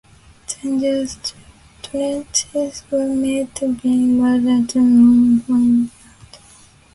Zanja trenches were made to bring water to more farm land.